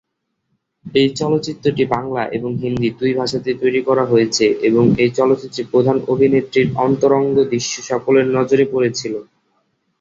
এই চলচ্চিত্রটি বাংলা এবং হিন্দি দুই ভাষাতেই তৈরি করা হয়েছে এবং এই চলচ্চিত্রে প্রধান অভিনেত্রীর অন্তরঙ্গ দৃশ্য সকলের নজরে পড়েছিল।